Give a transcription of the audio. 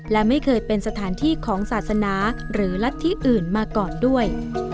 และไม่เคยเป็นสถานที่ของศาสนาหรือรัฐที่อื่นมาก่อนด้วย